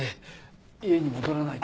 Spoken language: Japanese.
家に戻らないと。